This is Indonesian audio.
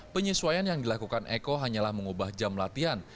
penyesuaian yang dilakukan eko hanyalah mengubah jam latihan